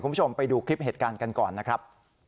คุณผู้ชมไปดูคลิปเหตุการณ์กันก่อนนะครับ